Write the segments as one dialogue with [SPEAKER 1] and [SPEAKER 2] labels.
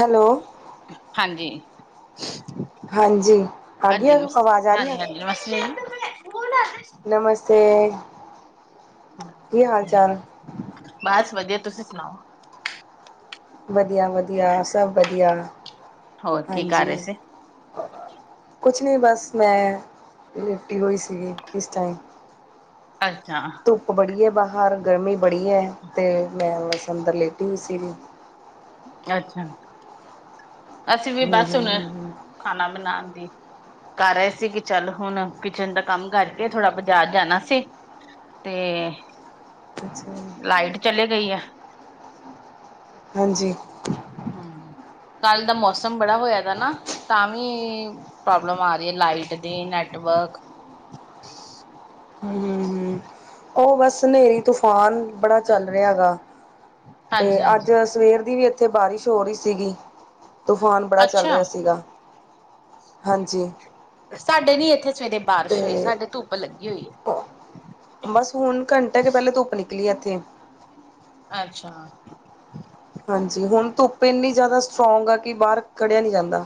[SPEAKER 1] Hello
[SPEAKER 2] ਹਾਂਜੀ। [inaudible]
[SPEAKER 1] ਹਾਂਜੀ, ਆ ਗਈ
[SPEAKER 2] ਹਾਂਜੀ
[SPEAKER 1] ਆ
[SPEAKER 2] ਨਮਸ
[SPEAKER 1] ਆਵਾਜ਼, ਆ ਰਹੀ ਆ।
[SPEAKER 2] ਹਾਂਜੀ ਹਾਂਜੀ ਨਮਸਤੇ
[SPEAKER 1] ਨਮਸਤੇ। [inaudible] ਕੀ ਹਾਲ ਚਾਲ?
[SPEAKER 2] ਬਸ ਵਧੀਆ ਤੁਸੀਂ ਸੁਣਾਓ?
[SPEAKER 1] ਵਧੀਆ, ਵਧੀਆ, ਸਭ ਵਧੀਆ।
[SPEAKER 2] ਹੋਰ ਕੀ ਕਰ
[SPEAKER 1] ਹਾਂਜੀ
[SPEAKER 2] ਰਹੇ ਸੀ?
[SPEAKER 1] ਕੁਛ ਨਹੀਂ, ਬਸ ਮੈਂ ਲੇਟੀ ਹੋਈ ਸੀਗੀ ਇਸ ਟਾਈਮ।
[SPEAKER 2] ਅੱਛਾ
[SPEAKER 1] ਧੁੱਪ ਬੜੀ ਹੈ ਬਾ ਹਰ ਗਰਮੀ ਬੜੀ ਹੈ, ਤੇ ਮੈਂ ਬਸ ਅੰਦਰ ਲੇਟੀ ਹੋ ਈ ਸੀ ਵੀ।
[SPEAKER 2] ਅੱਛਾ। ਅਸੀਂ ਵੀ
[SPEAKER 1] ਹੂੰ
[SPEAKER 2] ਬਸ
[SPEAKER 1] ਹੂੰ
[SPEAKER 2] ਹੁਣ
[SPEAKER 1] ਹੂੰ ਹੂੰ
[SPEAKER 2] ਖਾਨਾ ਬਣਾਣ ਦੀ ਕਰ ਰਹੇ ਸੀ ਕਿ ਚੱਲ ਹੁਣ ਕਿਚਨ ਦਾ ਕੰਮ ਕਰਕੇ ਥੋੜਾ ਬਾਜ਼ਾਰ ਜਾਨਾ ਸੀ, ਤੇ
[SPEAKER 1] ਅੱਛਾ
[SPEAKER 2] ਲਾਈਟ ਚਲੀ ਗਈ ਆ।
[SPEAKER 1] ਹਾਂਜੀ
[SPEAKER 2] ਕੱਲ ਦਾ ਮੌਸਮ ਬੜਾ ਹੋਇਆ ਦਾ ਨਾ ਤਾਂ ਵੀ ਵੀ ਪ੍ਰੋਬਲਮ ਆ ਰਹੀ ਹੈ ਲਾਈਟ ਦੀ, ਨੈਟਵਰਕ
[SPEAKER 1] ਹਮ ਹਮ ਹਮ ਉਹ ਬਸ ਹਨੇਰੀ ਤੂਫਾਨ ਬੜਾ ਚੱਲ ਰਿਹਾ ਹੈ ਗਾ ਤੇ
[SPEAKER 2] ਹਾਂਜੀ ਹਾਂਜੀ
[SPEAKER 1] ਅੱਜ ਸਵੇਰ ਦੀ ਵੀ ਏ ਇੱਥੇ ਬਾਰਿਸ਼ ਹੋ ਰਹੀ ਸੀਗੀ। ਤੂਫਾਨ ਬੜਾ ਚੱਲ
[SPEAKER 2] ਅੱਛਾ
[SPEAKER 1] ਰਿਹਾ ਸੀਗਾ। ਹਾਂਜੀ
[SPEAKER 2] ਸਾਡੇ ਨੀ ਇੱਥੇ ਸਵੇਰੇ ਬਾਰਿਸ਼ ਹੋਈ
[SPEAKER 1] ਤੇ
[SPEAKER 2] ਸਾਡੇ ਧੁੱਪ ਲੱ [unintelligible]
[SPEAKER 1] ਬਸ ਹੁਣ ਘੰਟਾ ਕੇ ਪਹਿਲੇ ਧੁੱਪ ਨਿ ਕਲੀ ਏਥੇ
[SPEAKER 2] ਅੱਛਾ
[SPEAKER 1] ਹਾਂਜੀ ਹੁਣ ਧੁੱਪ ਇੰਨੀ ਜ਼ਿਆਦਾ ਸਟਰੋਂਗ ਆ ਕਿ ਬਾਹਰ ਖੜਿਆਂ ਨਹੀ ਜਾਂਦਾ।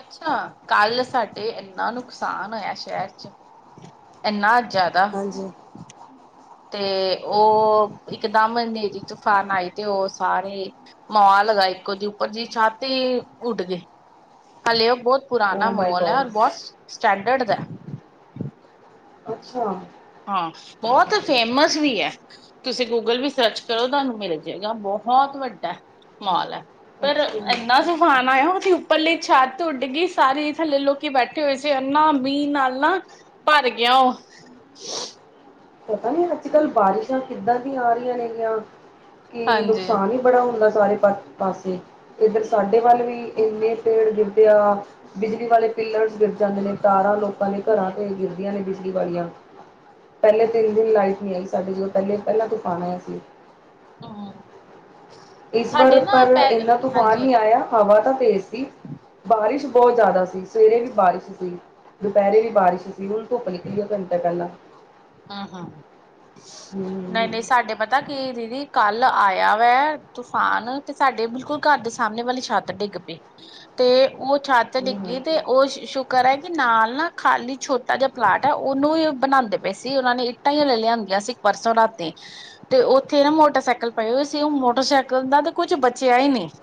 [SPEAKER 2] ਅੱਛਾ ਕੱਲ ਸਾਡੇ ਇੰਨਾ ਨੁਕਸਾਨ ਹੋਇਆ ਸ਼ਹਿਰ 'ਚ ਇਨਾ ਜ਼ਿਆਦਾ
[SPEAKER 1] ਹਾਂਜੀ
[SPEAKER 2] ਤੇ ਉਹ ਇਕਦਮ ਹਨੇਰੀ ਤੂਫਾਨ ਆਈ ਤੇ ਉਹ ਸਾਰੇ ਮਾਲ ਲਗਾ। ਇੱਕ ਉਹਦੀ ਉੱਪਰ ਜ ਛਤ ਈ ਉੱਡ ਗਏ ਹਾਲੇ ਉਹ ਬਹੁਤ
[SPEAKER 1] ਓ
[SPEAKER 2] ਪੁਰਾਨਣਾ
[SPEAKER 1] ਮਾਈ
[SPEAKER 2] ਮਾਲ ਹੈ
[SPEAKER 1] ਗੋਡ
[SPEAKER 2] ਔਰ ਬਹੁਤ ਸਟੈਂਡਡ ਦਾ
[SPEAKER 1] ਅੱਛਾ
[SPEAKER 2] ਹਾਂ ਬਹੁਤ ਫੇਮਸ ਵੀ ਹੈ । ਤੁਸੀਂ ਗੂਗਲ ਵੀ ਸਰਚ ਕਰੋ ਤੁਹਾਨੂੰ ਮਿਲ ਜਾਏਗਾ ਬਹੁਤ ਵੱਡਾ ਮਾਲ ਹੈ। ਪਰ
[SPEAKER 1] ਅੱਛਾ
[SPEAKER 2] ਇੰਨਾ
[SPEAKER 1] ਅੱਛਾ
[SPEAKER 2] ਤੁਫਾਨ ਆਇਆ ਉੱਪਰ ਲੀ ਛੱਤ ਉੱਡ ਗਈ ਸਾਰੇ ਥੱਲੇ ਲੋਕੀ ਬੈਠੇ ਹੋਏ ਸੀ। ਐਨਾ ਮੀਂਹ ਨਾਲ ਨਾ ਭਰ ਗ [inaudible]
[SPEAKER 1] ਪਤਾ ਨੀ ਅੱਜ ਕੱਲ੍ਹ ਬਾਰਿਸ਼ਾਂ ਕਿੱਦਾਂ ਦੀ ਆ ਰਹੀਆਂ ਨੇ ਗੀਆਂ ਕਿ
[SPEAKER 2] ਹਾਂਜੀ।
[SPEAKER 1] ਨੁਕਸਾਨ ਹੀ ਬੜਾ ਹੁੰਦਾ ਸੀ। ਸਾਰੇ ਪਾ ਪਾਸੇ ਇੱਧਰ ਸਾਡੇ ਵੱਲ ਵੀ ਇੰਨੇ ਪੇੜ ਗਿਰਦੇ ਆ ਬਿਜਲੀ ਵਾਲੇ ਪਿੱਲਰਸ ਗਿਰ ਜਾਂਦੇ ਨੇ ਤਾਰਾਂ ਲੋਕਾਂ ਦੇ ਘਰਾਂ ਤੇ ਗਿਰਦੀਆਂ ਨੇ ਬਿਜਲੀ ਵਾਲੀਆਂ ਪਹਿਲੇ ਤਿੰਨ ਦਿਨ ਲਾਈਟ ਨਹੀਂ ਆਈ ਸਾਡੇ ਜੋਦੋਂ ਪਹਿਲੇ ਪਹਿਲਾਂ ਤੂਫ਼ਾਨ ਆਇਆ ਸੀ।
[SPEAKER 2] ਹਾਂ
[SPEAKER 1] ਇਸ ਵਾਰ ਪਰ ਇੰਨਾ ਤੂਫਾਨ
[SPEAKER 2] ਹਾਂਜੀ,
[SPEAKER 1] ਨੀ ਆਇਆ ਹਵਾ ਤਾਂ ਤੇਜ਼ ਸੀ। ਬਾਰਿਸ਼ ਬਹੁਤ ਜ਼ਿਆਦਾ ਸੀ। ਸਵੇਰੇ ਵੀ ਬਾਰਿਸ਼ ਸੀ। ਦੁਪਹਿਰੇ ਵੀ ਬਾਰਿਸ਼ ਸੀ, ਹੁਣ ਧੁੱਪ ਨਿਕਲੀ ਘੰਟਾ ਪਹਿਲਾਂ
[SPEAKER 2] ਹਾਂ ਹਾਂ। ਨਹੀਂ
[SPEAKER 1] ਹੂੰ।
[SPEAKER 2] -ਨਹੀਂ ਸਾਡੇ ਪਤਾ ਕੀ ਦੀਦੀ ਕੱਲ ਆਇਆ ਵੈ, ਤੂਫਾਨ ਤੇ ਸਾਡੇ ਬਿਲਕੁਲ ਘਰ ਦੇ ਸਾਹਮਣੇ ਵਾਲੀ ਛੱਤ ਡਿੱਗ ਪਈ ਤੇ ਉਹ ਛੱਤ
[SPEAKER 1] ਹੂੰ
[SPEAKER 2] ਡਿੱਗੀ ਤੇ ਉਹ ਸ਼ੁਕਰ ਹੈ। ਨਾਲ ਨਾ ਖਾਲੀ ਛੋਟਾ ਜਿਆ ਪਲਾਟ ਹੈ। ਉਹਨੂੰ ਹੀ ਬਣਾਦੇ ਪਏ ਸੀ। ਉਹਨਾਂ ਨੇ ਇੱਟਾਂ ਈ ਹਲੇ ਲਿਆਂਦੀਆਂ ਸੀ ਪਰਸੋਂ ਰਾਤੀ ਤੇ ਉੱਥੇ ਨਾ ਮੋਟਰਸਾਈਕਲ ਪਏ ਹੋਏ ਸੀ। ਉਹ ਮੋਟਰਸਾਈਕਲ ਦਾ ਤੇ ਕੁੱਛ ਬਚਿਆ ਹੀ ਨੀ। [inaudible]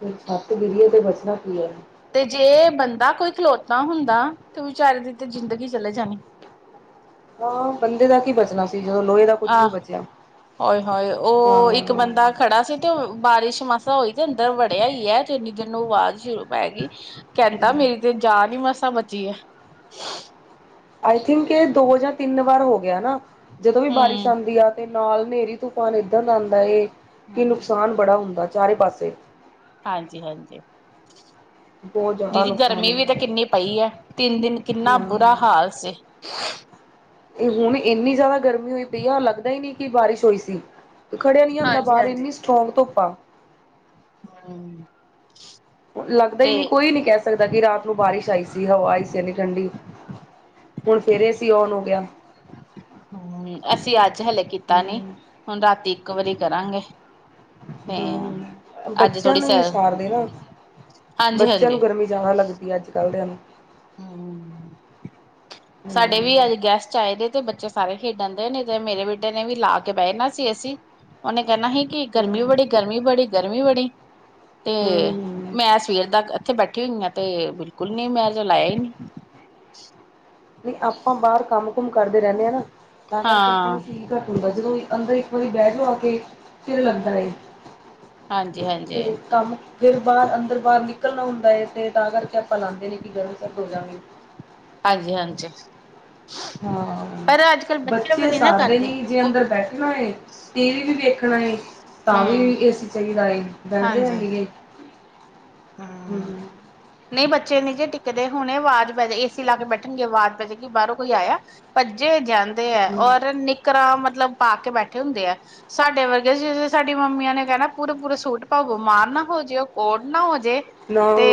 [SPEAKER 1] ਤੇ ਛੱਤ ਗਿਰੀਏ ਤੇ ਬਚਣਾ ਕੀ ਏ।
[SPEAKER 2] ਤੇ ਜੇ ਬੰਦਾ ਕੋਈ ਖਲੋਤਾ ਹੁੰਦਾ ਤੇ ਵਿਚਾਰੇ ਦੀ ਤੇ ਜ਼ਿੰਦਗੀ ਚਲੇ ਜਾਣੀ
[SPEAKER 1] ਹਾਂ ਬੰਦੇ ਦਾ ਕੀ ਬਚਣਾ ਸੀ। ਜਦੋਂ ਲੋਹੇ ਦਾ ਕੁਛ ਨੀ
[SPEAKER 2] ਆਹ
[SPEAKER 1] ਬਚਿਆ
[SPEAKER 2] ਹੋਏ-ਹੋਏ ਉਹ ਇੱਕ
[SPEAKER 1] ਹਾਂ।
[SPEAKER 2] ਬੰਦਾ ਖੜਾ ਸੀ ਤੇ ਬਾਰਿਸ਼ ਮਸਾ ਹੋਈ ਤੇ ਅੰਦਰ ਵੜਿਆ ਹੀ ਹੈ ਤੇ ਇੰਨੀ ਦਿਨ ਨੂੰ ਆਵਾਜ਼ ਸ਼ੁਰੂ ਮੈ ਗਈ ਕਹਿੰਦਾ ਮੇਰੀ ਤੇ ਜਾ ਨੀ ਮਸ ਮਸਾ ਬਚੀ ਏ। [inaudible]
[SPEAKER 1] ਆਈ ਥਿੰਕ ਇਹ ਦੋ ਹਜ਼ਾਰ ਤਿੰਨ ਵਾਰ ਹੋ ਗਿਆ ਨਾ ਜਦੋਂ ਵੀ ਬਾਰਿਸ਼
[SPEAKER 2] ਹਮ
[SPEAKER 1] ਆਂਦੀ ਆ ਤੇ । ਨਾਲ ਹਨੇਰੀ ਤੂਫ਼ਾਨ ਏਦਾਂ ਦਾ ਆਦਾ ਏ,
[SPEAKER 2] ਹਾਂ
[SPEAKER 1] ਕਿ ਨੁਕਸਾਨ ਬੜਾ ਹੁੰਦਾ। ਚਾਰੇ ਪਾਸੇ
[SPEAKER 2] ਹਾਂਜੀ ਹਾਂਜੀ,
[SPEAKER 1] ਬਹੁਤ ਜ਼ਿਆਦਾ
[SPEAKER 2] ਦੀਦੀ
[SPEAKER 1] ਨੁਕਸਾਨ
[SPEAKER 2] ਗਰਮੀ ਵੀ
[SPEAKER 1] ਹੁੰਦਾ
[SPEAKER 2] ਤਾਂ
[SPEAKER 1] ਹੈ।
[SPEAKER 2] ਕਿੰਨੀ ਪਈ ਹੈ ਤਿੰਨ ਦਿਨ ਕਿੰਨਾ ਬੁਰਾ
[SPEAKER 1] ਹਾਂ,
[SPEAKER 2] ਹਾਲ ਸੀ।
[SPEAKER 1] ਇਹ ਹੁਣ ਇੰਨੀ ਜ਼ਿਆਦਾ ਗਰਮੀ। ਹੋਈ ਪਈ ਆ ਲੱਗਦਾ ਹੀ ਨਹੀਂ ਕਿ ਬਾਰਿਸ਼ ਹੋਈ ਸੀ। ਖੜਿਆ ਨੀ ਜਾਂਦਾ
[SPEAKER 2] ਹਾਂਜੀ
[SPEAKER 1] ਬਾਹਰ ਇੰਨੀ ਸਟਰੋਂਗ ਧੁੱਪ ਵਾਹ [unintelligible]
[SPEAKER 2] ਹੂੰ,
[SPEAKER 1] ਲੱਗਦਾ ਹੀ ਨੀ ਕੋਈ ਨੀ ਕਹਿ ਸਕ ਸਕਦਾ ਕਿ ਰਾਤ ਨੂੰ ਬਾਰਿਸ਼ ਆਈ ਸੀ, ਹਵਾ ਆਈ ਸੀ ਐਨੀ ਠੰਡੀ ਹੁਣ ਫਿਰ ਏ ਸੀ ਔਨ ਹੋ ਗਿਆ।
[SPEAKER 2] ਹੂੰ, ਅਸੀਂ ਅੱਜ ਅੱਜ ਹਲੇ ਕੀਤਾ ਨੀ
[SPEAKER 1] ਹੂੰ
[SPEAKER 2] ਹੁਣ ਰਾਤੀ ਇੱਕ ਵਾਰੀ ਕਰਾਂਗੇ ਤੇ
[SPEAKER 1] ਹੂੰ,
[SPEAKER 2] ਅੱਜ
[SPEAKER 1] ਬੱਚਿਆਂ
[SPEAKER 2] ਥੋੜ੍ਹੀ
[SPEAKER 1] ਨੂੰ
[SPEAKER 2] ਸ
[SPEAKER 1] ਹੀ ਸਾਰਦੇ ਨਾ। ਬੱਚਿਆਂ ਨੂੰ
[SPEAKER 2] ਹਾਂਜੀ-ਹਾਂਜੀ,
[SPEAKER 1] ਗਰਮੀ ਜ਼ਿਆਦਾ ਲੱਗਦੀ ਹੈ ਅੱਜ ਕੱਲ੍ਹ ਦਿਆਂ ਨੂੰ
[SPEAKER 2] ਹੂੰ, ਸਾਡੇ ਵੀ
[SPEAKER 1] ਹੂੰ।
[SPEAKER 2] ਅੱਜ ਗੈਸਟ ਆਏ ਦੇ, ਤੇ ਬੱਚੇ ਸਾਰੇ ਖੇਡਣ ਦੇ ਨੇ ਤੇ ਮੇਰੇ ਬੇਟੇ ਨੇ ਵੀ ਲਾ ਕੇ ਬਹਿ ਜਾਣਾ ਸੀ ਏ ਸੀ ਉਹਨੇ ਕਹਿੰਣਾ ਸੀ ਕਿ ਗਰਮੀ
[SPEAKER 1] ਹੂੰ
[SPEAKER 2] ਬੜੀ ਗਰਮੀ ਬੜੀ ਗਰਮੀ ਬੜੀ, ਤੇ
[SPEAKER 1] ਹੂੰ ਹੂੰ।
[SPEAKER 2] ਮੈਂ ਸਵੇਰ ਦਾ ਇੱਥੇ ਬੈਠਾ, ਬੈਠੀਆਂ ਹੋਈਆਂ ਤੇ ਬਿਲਕੁਲ ਨੀ ਮੈਂ ਜੋ ਲਾਇਆ ਹੀ ਨਹੀਂ,
[SPEAKER 1] ਵੀ ਆਪਾਂ ਬਾਹਰ ਕੰਮ ਹੁਕਮ ਕਰਦੇ ਰਹਿੰਦੇ ਆ ਨਾ ਤਾਂ ਕਰਕੇ ਆਪਾਂ
[SPEAKER 2] ਹਾਂ।
[SPEAKER 1] ਨੂੰ ਸ਼ੀਕ [inaudible] ਘੱਟ ਹੁੰਦਾ ਜਦ ਅੰਦਰ ਇੱਕ ਵਾਰੀ ਬੈਠ ਜਾਉ ਕੇ ਚਿਰ ਲੱਗਦਾ ਏ।
[SPEAKER 2] ਹਾਂਜੀ, ਹਾਂਜੀ,
[SPEAKER 1] ਤੇ ਕੰਮ ਫਿਰ ਬਾਹਰ ਅੰਦਰ ਬਾਹਰ ਨਿਕਲਣਾ ਹੁੰਦਾ ਹੈ ਤੇ ਤਾਂ ਕਰਕੇ ਆਪਾਂ ਲਾਦੇ ਨੇ ਕਿ ਗਰਮ ਸਰਦ ਹੋਜਾਗੇ।
[SPEAKER 2] ਹਾਂਜੀ, ਹਾਂਜੀ।
[SPEAKER 1] ਹਾਂ,
[SPEAKER 2] ਪਰ ਅੱਜ ਕੱਲ੍ਹ ਵੀ
[SPEAKER 1] ਬੱਚੇ
[SPEAKER 2] ਨੀ ਨਾ
[SPEAKER 1] ਸਾਰਦੇ
[SPEAKER 2] ਕਰਦੇ
[SPEAKER 1] ਨੀ ਜੇ
[SPEAKER 2] ਉਹ
[SPEAKER 1] ਅੰਦਰ ਬੈਠਨਾ ਏ ਟੀਵੀ ਵੀ ਵੇਖ ਖਣਾ ਤਾਂ ਵੀ
[SPEAKER 2] ਹੂੰ
[SPEAKER 1] ਏ ਸੀ ਚਾਹੀਦਾ ਏ। ਫ਼ਾਇਦਾ ਹੈ
[SPEAKER 2] ਹਾਂਜੀ
[SPEAKER 1] ਨੀ ਗੇ ਹੂੰ।
[SPEAKER 2] ਨਹੀਂ, ਬੱਚੇ ਨੀ ਜੇ ਟਿਕਦੇ। ਹੁਣੇ ਆਵਾਜ਼ ਪੈ ਜੇ, ਏ ਸੀ ਲਾ ਕੇ ਬੈਠਣਗੇ। ਆਵਾਜ਼ ਪੈ ਜੇਗੀ, ਬਾਹਰੋਂ ਕੋਈ ਆਇਆ, ਭੱਜੇ ਜਾਂਦੇ ਦੇ ਏ
[SPEAKER 1] ਹੂੰ
[SPEAKER 2] ਔਰ ਨਿੱਕਰਾ ਮਤਲ ਮਤਲਬ ਪਾ ਕੇ ਬੈਠੇ ਹੁੰਦੇ ਆ, ਸਾਡੇ ਵਰਗੇ। ਜ ਸਾਡੀ ਮੰਮੀਆਂ ਨੇ ਕਹਿਣਾ, ਪੂਰੇ-ਪੂਰੇ ਸੂਟ ਪਾਓੋ, ਬੀਮਾਰ ਨਾ ਹੋ ਜੇ। ਉਹ ਕੋਟ ਨਾ ਹੋ ਜੇ
[SPEAKER 1] ਨਾਂ।
[SPEAKER 2] ਤੇ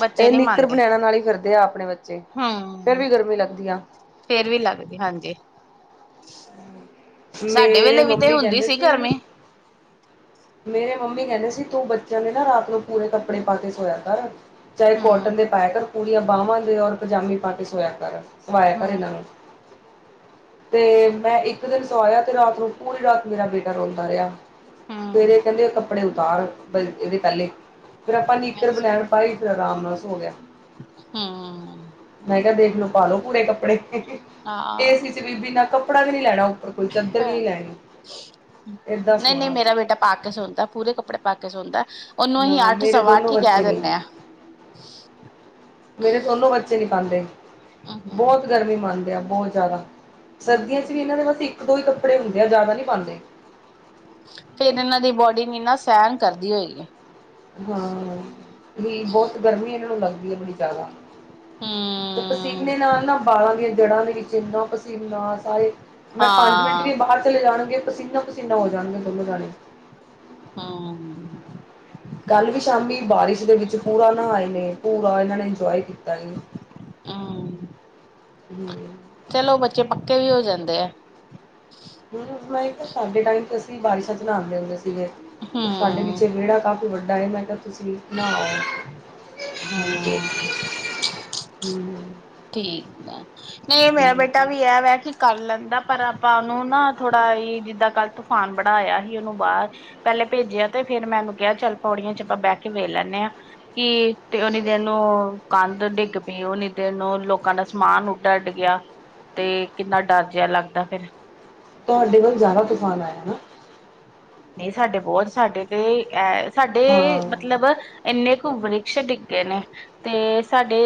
[SPEAKER 2] ਬੱਚੇ
[SPEAKER 1] ਇਹ
[SPEAKER 2] ਨਹੀਂ
[SPEAKER 1] ਨਿੱਕਰ
[SPEAKER 2] ਮੰਨਦੇ
[SPEAKER 1] ਬਣੈਣਾ ਨਾਲ ਹੀ ਫਿਰਦੇ ਆ ਆਪਣੇ ਬੱਚੇ। ਫਿਰ
[SPEAKER 2] ਹਮ
[SPEAKER 1] ਵੀ ਗਰਮੀ ਲੱਗਦੀ ਆ।
[SPEAKER 2] ਫੇਰ ਵੀ ਲੱਗਦੀ ਹਾਂਜੀ ਸਾਡੇ
[SPEAKER 1] ਮੇਰੇ
[SPEAKER 2] ਵੇਲੇ ਵੀ ਤੇ
[SPEAKER 1] ਮੰਮੀ
[SPEAKER 2] ਹੁੰਦੀ
[SPEAKER 1] ਕਹਿੰਦੇ ਸੀ,
[SPEAKER 2] ਗਰਮੀ
[SPEAKER 1] ਮੇਰੇ ਮੰਮੀ ਕਹਿੰਦੇ ਸੀ ਤੂ ਬੱਚਿਆਂ ਦੇ ਨਾ ਰਾਤ ਨੂੰ ਪੂਰੇ ਕੱਪੜੇ ਪਾ ਕੇ ਸੋਇਆ ਕਰ। ਚਾਹੇ
[SPEAKER 2] ਹਮ
[SPEAKER 1] ਕੋਟਨ ਦੇ ਪਾਯਾ ਕਰ ਪੁਰੀਆਂ ਬਾਹਵਾਂ ਦੇ ਔਰ ਪਜਾਮੀ ਪਾ ਕੇ ਸੋਇਆ ਕਰ। ਸਵਾਇਆ ਕਰ
[SPEAKER 2] ਹਮ
[SPEAKER 1] ਇਹਨਾਂ ਨੂੰ। ਤੇ ਮੈਂ ਇੱਕ ਦਿਨ ਸਵਾਇਆ ਤੇ ਰਾਤ ਨੂੰ, ਪੂਰੀ ਰਾਤ ਮੇਰਾ ਬੇਟਾ ਰੋਂਦਾ ਰਿਹਾ। ਫੇਰ
[SPEAKER 2] ਹਮ
[SPEAKER 1] ਇਹ ਕਹਿੰਦੇ ਕੱਪੜੇ ਉ ਬਾਹਰ, ਇਹਦੇ ਪੈਲੇ ਫੇਰ ਆਪਾਂ ਨੀਕਰ ਬਨੈਣ ਪਾਈ ਫੇਰ ਰਾਮ ਨਾਲ ਸੋ ਗਿਆ।
[SPEAKER 2] ਹੂੰ।
[SPEAKER 1] ਦੇਖਲੋ, ਪਾ ਲੋ ਪੂਰੇ ਕੱਪੜੇ। ਏ ਸੀ
[SPEAKER 2] ਹਾਂ
[SPEAKER 1] ਚ ਬ ਬਿਨਾਂ ਕੱ ਕਪੜਾ ਵੀ ਨੀ ਲੈਣਾ ਕੋਈ ਚਾਦਰ ਵੀ ਨੀ ਲੈਣੀ। ਏਦਾਂ
[SPEAKER 2] ਨਹੀਂ, ਨਹੀਂ,
[SPEAKER 1] ਸੋਣਾ
[SPEAKER 2] ਮੇਰਾ ਬੇਟਾ ਪਾ ਕੇ ਸੌਂਦਾ, ਪੂਰੇ ਕੱਪੜੇ ਪਾ ਕੇ ਸੌਂਦਾ ਉਹਨੂੰ
[SPEAKER 1] ਨਾ,
[SPEAKER 2] ਅਸੀਂ ਅੱਠ
[SPEAKER 1] ਮੇਰੇ
[SPEAKER 2] ਸਵਾ
[SPEAKER 1] ਦੋਨੋ
[SPEAKER 2] ਅੱਠ ਹੀ ਕਹਿ
[SPEAKER 1] ਬੱਚੇ ਨੀ।
[SPEAKER 2] ਦਿੰਦੇ ਹਾਂ
[SPEAKER 1] ਮੇਰੇ ਦੋਨੋ ਬੱਚੇ ਨਹੀਂ ਪਾਂਦੇ, ਬਹੁਤ ਗਰਮੀ ਮਾਰ ਦੇ ਆ, ਬਹੁਤ ਜਾਦਾ। ਸਰਦੀਆਂ ਚ ਵੀ, ਇਹਨਾਂ ਦੇ ਬਸ ਇੱਕ ਦੋ ਹੀ ਕੱਪੜੇ ਹੁੰਦੇ ਆ, ਜ਼ਿਆਦਾ ਨਹੀਂ ਪਾਂਦੇ।
[SPEAKER 2] ਫੇਰ ਇਹਨਾਂ ਦੀ ਬੋਡੀ ਨੀ ਨਾ ਸਹਿਣ ਕਰਦੀ ਹੋਏਗੀ।
[SPEAKER 1] ਹਾਂ, ਵੀ ਬਹੁਤ ਗਰਮੀ ਇਹਨਾਂ ਨੂੰ ਲੱਗਦੀ। [inaudible] ਤੇ
[SPEAKER 2] ਹਮ
[SPEAKER 1] ਪਸੀਨੇ ਨਾਲ ਨਾ ਬਾਲਾਂ ਦੀਆਂ ਜੜਾ ਦੇ ਵਿੱਚ ਇੰਨਾ ਪਸੀਨ ਸਾਰੀ ਮੈਂ ਪੰਜ ਮਿੰਟ
[SPEAKER 2] ਹਾਂ
[SPEAKER 1] ਦੀ ਬਾਹਰ ਚਲੇ ਜਾਣਗੇ ਪਸੀਨਾ- ਪਸੀਨਾ ਹੋ ਜਾਣਗੇ ਦੋਨੋ ਜਾਣੇ।
[SPEAKER 2] ਹਾਂ,
[SPEAKER 1] ਕੱਲ ਵੀ ਸ਼ਾਮੀ ਬਾਰਿਸ਼ ਦੇ ਵਿੱਚ ਪੂਰਾ ਨਹਾਏ ਨੇ, ਪੂਰਾ ਇਹਨਾਂ ਨੇ ਇੰਜੋਏ ਕੀ ਤਾ ਈ
[SPEAKER 2] ਆਂ
[SPEAKER 1] ਹੂੰ,
[SPEAKER 2] ਚਲੋ ਬੱਚੇ ਪੱਕੇ ਵੀ ਹੋ ਜਾਂਦੇ ਆ।
[SPEAKER 1] ਹੂੰ, ਮੈਂ- ਸਾਡੇ ਟਾਈਮ ਤੇ ਅਸੀਂ ਬਾਰਿਸ਼ਾਂ ਚ ਨਹਾਂਦੇ ਹੁੰਦੇ ਸੀ। ਸੀ ਗੇ ਤੇ ਸਾਡੇ
[SPEAKER 2] ਹਮ
[SPEAKER 1] ਪਿਛੇ ਵਿਹੜਾ ਕਾਫੀ ਵੱਡਾ ਤਾਈ ਮੈਂ ਕਿਹਾ ਤੁਸੀਂ ਨਹਾ ਆਓ। ਹਾਂਜੀ,
[SPEAKER 2] ਹਾਂ
[SPEAKER 1] ਹੂੰ।
[SPEAKER 2] ਠੀਕ ਹੈ, ਨਹੀਂ ਮੇਰਾ ਬੇਟਾ
[SPEAKER 1] ਹਾਂਜੀ
[SPEAKER 2] ਵੀ ਇਹ ਵੇ ਕਿ ਕਰ ਲੈਂਦਾ ਪਰ ਆਪਾਂ ਉਹਨੂੰ ਨਾ ਥੋੜਾ ਜਿੱਦਾਂ ਕੱਲ ਤੂਫਾਨ ਬੜਾ ਆਇਆ ਸੀ ਉਹਨੂੰ ਬਾਹਰ ਪਹਿਲੇ ਭੇਜਿਆ ਤੇ ਫੇਰ ਮੈਂ ਉਹਨੂੰ ਕਿਹਾ ਚੱਲ ਪੌੜੀਆਂ ਚ ਆਪਾਂ ਬਹਿ ਕੇ ਵੇਖ ਲੈਂਦੇ ਆਂ, ਕਿ ਤੇ ਉਨੀ ਦੇਰ ਨੂੰ ਕੰਧ ਡਿੱਗ ਪਈ ਉਨੀ ਦੇਰ ਨੂੰ ਲੋਕਾਂ ਦਾ ਸਮਾਨ ਉਡ ਅੱਡ ਗਿਆ ਤੇ ਕਿੰਨਾ ਡਰ ਜਿਹਾ ਲੱਗਦਾ ਫਿਰ।
[SPEAKER 1] ਤੁਹਾਡੇ ਕੋਲ ਜ਼ਿਆਦਾ ਤੂਫਾਨ ਆਇਆ।
[SPEAKER 2] ਨਹੀਂ ਸਾਡੇ ਬਹੁਤ ਸਾਡੇ ਤੇ ਐ ਸਾਡੇ
[SPEAKER 1] ਹਾਂ
[SPEAKER 2] ਮਤਲਬ ਇੰਨੇ ਵ੍ਰਿਸ਼ ਡਿੱਗੇ ਨੇ ਤੇ ਸਾਡੇ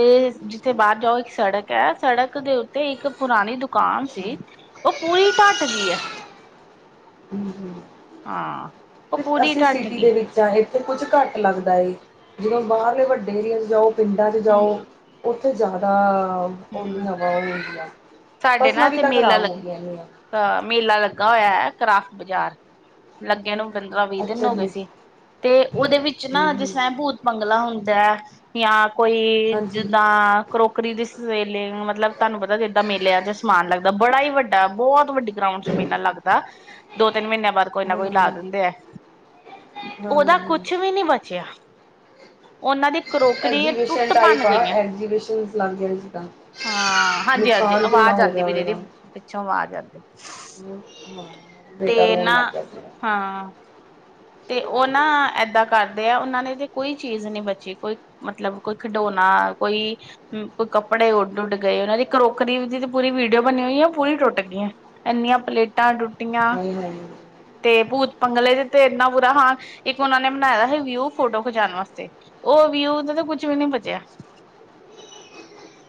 [SPEAKER 2] ਜਿੱਥੇ ਬਾਹਰ ਜਾਓ ਇੱਕ ਸੜਕ ਹੈ, ਸੜਕ ਦੇ ਉੱਤੇ ਇੱਕ ਪੁਰਾਣੀ ਦੁਕਾ ਦੁਕਾਨ ਸੀ, ਉਹ ਪੂਰੀ ਢੱਟ ਗਈ ਐ।
[SPEAKER 1] ਹੂੰ,
[SPEAKER 2] ਉਹ
[SPEAKER 1] ਹੂੰ,
[SPEAKER 2] ਪੂਰੀ
[SPEAKER 1] ਅਸੀਂ
[SPEAKER 2] ਢੱਟ
[SPEAKER 1] ਸਿਟੀ
[SPEAKER 2] ਗਈ
[SPEAKER 1] ਦੇ ਵਿੱਚ ਹਾਂ ਇੱਥੇ ਕੁੱਝ ਘੱਟ ਲੱਗਦਾ ਏ, ਜਿਵੇਂ ਬਾਹਰਲੇ ਵੱਡੇ ਏਰੀਏ ਜਾਓ। ਪਿੰਡਾਂ ਚ ਜਾਓ ਉੱਥੇ ਤੇ ਜ਼ਿਆਦਾ ਓਲੀ
[SPEAKER 2] ਹੂੰ,
[SPEAKER 1] ਹਵਾ ਉਹ ਹੁੰਦੀ ਆ
[SPEAKER 2] ਸਾਡੇ ਨਾ
[SPEAKER 1] ਫਸਲਾਂ ਵੀ
[SPEAKER 2] ਐਥੇ
[SPEAKER 1] ਤਾਂ
[SPEAKER 2] ਮੇਲਾ
[SPEAKER 1] ਖ਼ਰਾਬ ਹੋ ਗਈਆਂ ਨੇ
[SPEAKER 2] ਲੱਗਾ ਅ ਮੇਲਾ ਲੱਗਾ ਹੋਇਆ ਐ। ਕਰਾਫਟ ਬਾਜ਼ਾਰ ਲੱਗਿਆਂ ਨੂੰ ਪੰਦਰਾਂ ਵੀਹ ਦਿਨ
[SPEAKER 1] ਅੱਛਾ
[SPEAKER 2] ਹੋ ਗਏ
[SPEAKER 1] ਜੀ
[SPEAKER 2] ਸੀ, ਤੇ ਉਹਦੇ ਵਿੱਚ ਨਾ
[SPEAKER 1] ਹਮ
[SPEAKER 2] ਜਿਸ
[SPEAKER 1] ਹਮ
[SPEAKER 2] ਤਰ੍ਹਾਂ ਭੂਤ ਬੰਗਲਾ ਹੁੰਦਾ [unintelligible] ਕੋਈ
[SPEAKER 1] ਹਾਂਜੀ
[SPEAKER 2] ਜਿੱਦਾਂ ਕਰੋਕਰੀ ਦੀ ਸ ਸਵੇਲਿੰਗ ਮਤਲਬ ਤੁਹਾਨੂੰ ਪਤਾ ਜਿੱਦਾਂ ਮੇਲਿਆਂ ਚ ਸਮਾਨ ਲੱਗਦਾ ਬੜਾ ਹੀ ਵੱਡਾ ਬਹੁਤ ਵੱਡੀ ਗਰਾਊਂਂਡ ਚ ਮੇਲਾ ਲੱਗਦਾ। ਦੋ ਤਿੰਨ ਮਹੀਨਿਆਂ ਬਾਅਦ ਕੋਈ ਨਾ
[SPEAKER 1] ਹਾਂ
[SPEAKER 2] ਕੋਈ
[SPEAKER 1] ਹਾਂ
[SPEAKER 2] ਲਾ ਦਿੰਦੇ ਹੈ
[SPEAKER 1] ਹਾਂ
[SPEAKER 2] ਉਹਦਾ
[SPEAKER 1] ਹਾਂ
[SPEAKER 2] ਕੁਛ ਵੀ ਨੀ ਬਚਿਆ ਉਹਨਾਂ ਦੀ ਕਰੋਕਰੀ
[SPEAKER 1] ਐਗਜੀਬਿਸ਼ਨ
[SPEAKER 2] ਟੁੱਟ ਬਣ
[SPEAKER 1] ਟਪ ਆ
[SPEAKER 2] ਗਈਆਂ
[SPEAKER 1] ਐਗਜੀਬਿਸਨ ਲ
[SPEAKER 2] ਹਾਂ ਹਾਂਜੀ-ਹਾਂਜੀ,
[SPEAKER 1] ਕਿੰਨਾ
[SPEAKER 2] ਅਵਾਜ਼
[SPEAKER 1] ਹੋ
[SPEAKER 2] ਆਦੀ
[SPEAKER 1] ਗਿਆ
[SPEAKER 2] ਵੀ ਦੀਦੀ
[SPEAKER 1] ਹੋਏਗਾ
[SPEAKER 2] ਪਿੱਛੋਂ ਆਵਾਜ਼ ਆਉਂਦੀ।
[SPEAKER 1] ਹਾਂ, ਬੇਟਾ
[SPEAKER 2] ਤੇ
[SPEAKER 1] ਰੋਣ
[SPEAKER 2] ਨਾ
[SPEAKER 1] ਲੱਗ ਗਿਆ ਸੀਗਾ
[SPEAKER 2] ਹਾਂ। ਤੇ ਉਹ ਨਾ ਏਦਾਂ ਕਰ ਆ ਉਹਨਾਂ ਨੇ ਤੇ ਕੋਈ ਚੀਜ਼ ਨੀ ਬਚੀ ਕੋਈ ਮਤਲਬ ਕੋਈ ਖਿਡੋਣਾ ਕੋਈ-ਕੋਈ ਕੱਪੜੇ ਉੱਡ-ਉੱਡ ਗਏ ਉਹਨਾਂ ਦੀ ਕਰੋਕਰੀ ਦੀ ਤੇ ਪੂਰੀ ਵੀਡੀਓ ਬਣੀ ਹੋਈ ਆ ਉਹ ਪੂਰੀ ਟੁੱਟ ਗਈ ਇੰਨੀਆਂ ਪਲੇਟਾਂ ਟੁੱਟ ਟੀਆਂ
[SPEAKER 1] ਹਾਏ ਹਾਏ ਹਮ,
[SPEAKER 2] ਤੇ ਭੂਤ ਪੰੰਗਲੇ ਜ ਤੇ ਇੰਨਾ ਪੂਰਾ ਹਾਂ ਇੱਕ ਉਹਨਾ ਨੇ ਬਣਾਇਆ ਦਾ ਸੀ ਵਿਊ ਫੋਟੋ ਖਿਚਾਉਣ ਵਾਸਤੇ ਉਹ ਵਿਊ ਦਾ ਤਾਂ ਕੁਛ ਵੀ ਨੀ ਬਚਿਆ।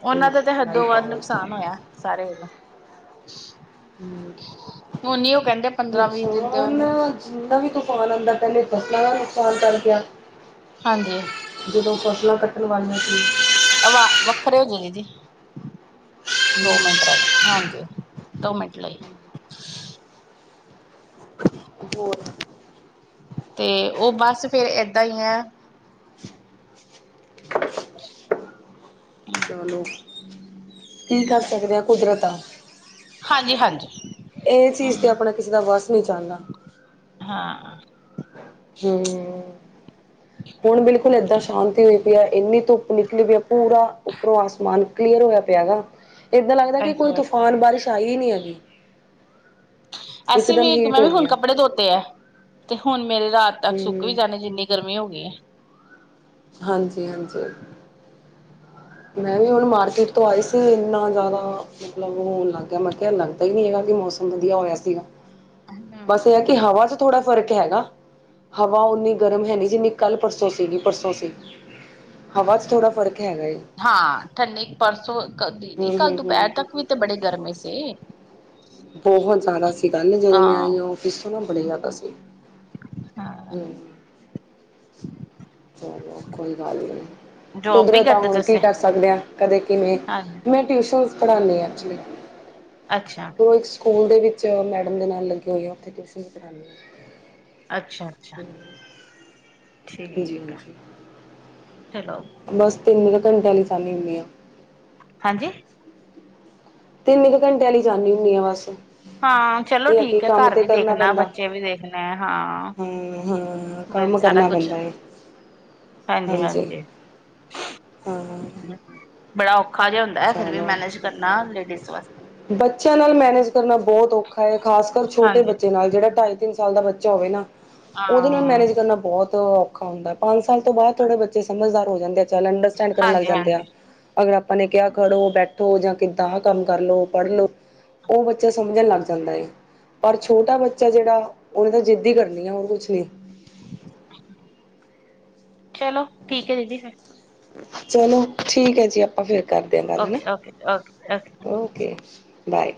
[SPEAKER 2] ਉਹਨਾਂ ਦਾ ਤੇ
[SPEAKER 1] ਮਾਈ
[SPEAKER 2] ਹੱਦੋ ਵੱਧ
[SPEAKER 1] ਗੋਡ
[SPEAKER 2] ਨੁਕਸਾਨ ਹੋਇਆ ਸਾਰੇ ਨੂੰ। ਅ। ਪੰਦਰਾਂ ਵੀਹ ਦਿਨ ਤੇ
[SPEAKER 1] ਨੁਕਸਾਨ
[SPEAKER 2] ਉਹਨੂੰ
[SPEAKER 1] ਜਿੰਨਾ ਵੀ ਤੂੰਫਾਨ ਆਦਾ ਪਹਿਲੇ ਘਟਨਾ ਦਾ ਨੁਕਸਾਨ ਕਰ ਗਿਆ।
[SPEAKER 2] ਹਾਂਜੀ।
[SPEAKER 1] ਕਲਾਂ ਕੱਟਣ ਵਾਲੀਆਂ ਸੀ।
[SPEAKER 2] ਆਵਾ ਵੱਖਰੇ ਹੋਗੇ ਦੀਦੀ ਦੋ ਮਿੰਟ ਰਹਿ ਗਏ ਹਾਂਜੀ। ਦੋ ਮਿੰਟ ਲਈ
[SPEAKER 1] ਹੋਰ।
[SPEAKER 2] ਤੇ ਉਹ ਬਸ ਫੇਰ ਏਦਾਂ ਹੀ ਐ। ਅ।
[SPEAKER 1] ਚਲੋ। ਕੀ ਕਰ ਸਕਦੇ ਆ ਕੁਦਰਤ ਆ।
[SPEAKER 2] ਹਾਂਜੀ-ਹਾਂਜੀ।
[SPEAKER 1] ਇਹ ਚੀਜ਼ ਤੇ ਆਪਣਾ ਕਿਸੇ ਦਾ ਵਸ ਨਹੀਂ ਚਲਦਾ।
[SPEAKER 2] ਹਾਂ
[SPEAKER 1] ਹੂੰ ਹੁਣ ਬਿਲਕੁਲ ਏਦਾਂ ਸ਼ਾਂਤੀ ਹੋਈ। ਇੰਨੀ ਧੁੱਪ ਨਿਕਲੀ ਪਈ ਆ ਪੂਰਾ ਉੱਪਰੋਂ ਆਸਮਾਨ ਕਲੀਅਰ ਹੋਇਆ ਪਿਆ ਗਾ। ਏਦਾਂ ਲੱਗਦਾ ਕਿ ਕੋਈ
[SPEAKER 2] ਅੱਛਾ
[SPEAKER 1] ਤੂਫਾਨ ਬਾਰਿਸ਼ ਚਾਹੀ ਨਹੀਂ ਹੈਗੀ।
[SPEAKER 2] ਅਸੀਂ
[SPEAKER 1] ਇੱਕਦਮ
[SPEAKER 2] ਵੀ ਇੱਕ
[SPEAKER 1] ਹੀਟ
[SPEAKER 2] ਮੈਂ ਵੀ
[SPEAKER 1] ਹੋ ਗਈ
[SPEAKER 2] ਹੁਣ
[SPEAKER 1] ਆ
[SPEAKER 2] ਕੱਪੜੇ ਧੋਤੇ ਹੈ ਤੇ ਹੁਣ ਮੇਰੇ ਰਾਤ ਤੱਕ ਸੁੱਕ ਵੀ
[SPEAKER 1] ਹੂੰ,
[SPEAKER 2] ਜਾਂਨੇ ਸੀ ਜਿੰਨੀ ਗਰਮੀ ਹੋ ਗਈ ਹੈ। [unintelligible]
[SPEAKER 1] ਹਾਂਜੀ-ਹਾਂਜੀ। [inaudible] ਮੈਂ ਵੀ ਹੁਣ ਮਾਰਕੀਟ ਤੋਂ ਆਈ ਸੀ। ਇੰਨਾ ਜ਼ਿਆਦਾ ਮਤਲਬ ਲੱਗ ਗਿਆ ਮੈਂ ਕਿਹਾ ਲੱਗਦਾ ਹੀ ਨਹੀਂ ਹੈਗਾ ਕਿ ਮੌਸਮ ਵਧੀਆ ਹੋਇਆ ਸੀਗਾ। ਬਸ ਇਹ ਹੈ ਕਿ ਹਵਾ ਚ ਥੋੜਾ ਫ਼ਰਕ ਹੈਗਾ ਹਵਾ ਉਨੀ ਗਰਮ ਹੈਨੀ ਜਿੰਨੀ ਕੱਲ ਪਰਸੋਂ ਸੀਗੀ ਪਰਸੋਂ ਸੀ ਹਵਾ ਚ ਥੋੜਾ ਫਰਕ ਹੈਗਾ।
[SPEAKER 2] ਹਾਂ, ਠੰਡੀ ਪਰਸੋਂ ਦੀਦੀ
[SPEAKER 1] ਹੂੰ
[SPEAKER 2] ਕੱਲ
[SPEAKER 1] ਹੂੰ ਹੂੰ
[SPEAKER 2] ਦੁਪਹਿਰ ਤੱਕ ਵੀ ਤੇ ਬੜੇ ਗਰਮੀ ਸੀ।
[SPEAKER 1] ਬਹੁਤ ਜ਼ਿਆਦਾ ਕਿ ਕੱਲ ਜਦੋਂ ਮੈਂ
[SPEAKER 2] ਹਾਂ
[SPEAKER 1] ਆਈ ਆਫਿਸ ਤੋਂ ਨਾ ਬੜੇ ਜ਼ਿਆਦਾ ਸੀ। ਹੂੰ। ਚਲੋ ਕੋਈ ਗੱਲ ਨਹੀਂ।
[SPEAKER 2] ਜੋਬ ਵੀ
[SPEAKER 1] ਕੁਦਰਤ
[SPEAKER 2] ਕਰਦੇ
[SPEAKER 1] ਹੁਣ ਕੀ
[SPEAKER 2] ਤੁਸੀਂ
[SPEAKER 1] ਕਰ ਸਕਦੇ ਆ। ਕਦੇ ਕਿਵੇਂ
[SPEAKER 2] ਹਾਂ
[SPEAKER 1] ਮੈਂ ਟਿਊਸ਼ਨਸ ਪੜਾਂਦੇ ਹਾਂ ਐਕਚੁਲੀ।
[SPEAKER 2] ਅੱਛਾ।
[SPEAKER 1] ਉਹ ਇੱਕ ਸਕੂਲ ਦੇ ਵਿੱਚ ਮੈਡਮ ਦੇ ਨਾਲ ਲੱਗੇ ਹੋਏ ਆ, ਉੱਥੇ ਟਿਊਸ਼ਨ ਕਰਾਂਦੇ ਹਾਂ।
[SPEAKER 2] ਅੱਛਾ, ਅੱਛਾ।
[SPEAKER 1] ਹਾਂਜੀ
[SPEAKER 2] ਠੀਕ ਆ,
[SPEAKER 1] ਹਾਂਜੀ
[SPEAKER 2] ਹੈਲੋ।
[SPEAKER 1] ਬਸ ਤਿੰਨ ਕੂ ਘੰਟਿਆਂ ਵਾਲ ਲਈ ਜਾਣੀ ਹੁਣੀ ਆ।
[SPEAKER 2] ਹਾਂਜੀ।
[SPEAKER 1] ਤਿੰਨ ਕੁ ਘੰਟਿਆਂ ਲਈ ਜਾਂਦੀ ਹੁੰਨੀ ਆ ਬਸ।
[SPEAKER 2] ਹਾਂ, ਚਲੋ
[SPEAKER 1] ਇਹ ਆ ਕਿ
[SPEAKER 2] ਠੀਕ ਏ।
[SPEAKER 1] ਕੰਮ
[SPEAKER 2] ਘਰ
[SPEAKER 1] ਤੇ
[SPEAKER 2] ਵੀ
[SPEAKER 1] ਕਰਨਾ
[SPEAKER 2] ਦੇਖਣਾ,
[SPEAKER 1] ਪੈਂਦਾ
[SPEAKER 2] ਬੱਚੇ ਵੀ ਦੇਖਣਾ ਹਾਂ।
[SPEAKER 1] ਹੂੰ, ਕੰਮ
[SPEAKER 2] ਸਾਰਾ
[SPEAKER 1] ਕਰਨਾ
[SPEAKER 2] ਕੁਛ
[SPEAKER 1] ਪੈਂਦਾ ਏ। ਹਾਂਜੀ
[SPEAKER 2] ਹਾਂਜੀ-ਹਾਂਜੀ।
[SPEAKER 1] ਹਾਂ।
[SPEAKER 2] ਬੜਾ ਓ
[SPEAKER 1] ਚਲੋ
[SPEAKER 2] ਵਾਸਤੇ।
[SPEAKER 1] ਬੱਚਿਆਂ ਨਾਲ ਮੈਨੇਜ ਕਰਨਾ ਬਹੁਤ ਔਖਾ ਏ। ਖਾਸ ਕਰ ਛੋਟੇ
[SPEAKER 2] ਹਾਂਜੀ
[SPEAKER 1] ਬੱਚੇ ਨਾਲ ਜਿਹੜਾ ਢਾਈ ਤਿੰਨ ਸਾਲ ਦਾ ਬੱਚਾ ਹੋਵੇ ਨਾ। ਉਹਦੇ ਨਾਲ
[SPEAKER 2] ਹਾਂ
[SPEAKER 1] ਮੈਨੇਜ ਕਰਨਾ ਬਹੁਤ ਖ਼ਾ ਹੁੰਦਾ। ਪੰਜ ਸ ਸਾਲ ਤੋਂ ਬਾਦ ਥੋੜੇ ਬੱਚੇ ਸਮਝਦਾਰ ਹੋ ਜਾਂਦੇ। ਚੱਲ ਅੰਡਰਸਟੈਂਡ ਕਰਨ ਲੱਗ ਜਾਂਦੇ ਆ।
[SPEAKER 2] ਹਾਂਜੀ-ਹਾਂਜੀ
[SPEAKER 1] ਅਗਰ ਆਪਾਂ ਨੇ ਕਿਹਾ ਖੜੋ ਬੈਠੋ ਜਾਂ ਕਿੱਦਾਂ ਕੰਮ ਕਰਲੋ ਪੜ੍ਹ ਲੋ ਉਹ ਬੱਚਾ ਸਮਝਣ ਲੱਗ ਜਾਂਦਾ ਪਰ ਛੋਟਾ ਬੱਚਾ ਜਿਹੜਾ ਉਹਨੇ ਤਾਂ ਜਿੱਦ ਹੀ ਕਰਨੀ ਆ ਹੋਰ ਕੁਛ ਨੀ!
[SPEAKER 2] [inaudible] ਚਲੋ ਠੀਕ ਹੈ ਦੀਦੀ ਫਿਰ
[SPEAKER 1] ਚਲੋ ਠੀਕ ਹੈ ਜੀ ਆਪਾਂ ਫੇਰ ਕਰਦੇ ਆਂ ਗੱਲ ਹੈ ਨਾ
[SPEAKER 2] ਓਕੇ-ਓਕੇ-ਓਕੇ-ਓਕੇ।
[SPEAKER 1] Okay bye